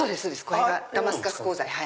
これがダマスカス鋼材。